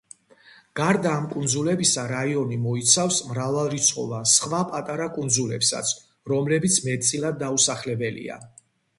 გარდა ამ კუნძულებისა რაიონი მოიცავს მრავალრიცხოვან სხვა პატარა კუნძულებსაც, რომლებიც მეტწილად დაუსახლებელია.